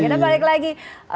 kita balik lagi